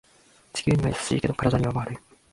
地球には優しいけど体には悪い